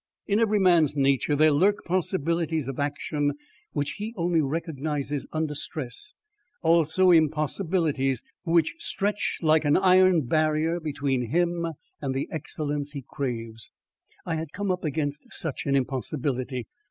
In every man's nature there lurk possibilities of action which he only recognises under stress, also impossibilities which stretch like an iron barrier between him and the excellence he craves. I had come up against such an impossibility.